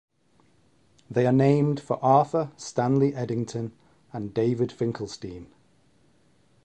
They are named for Arthur Stanley Eddington and David Finkelstein.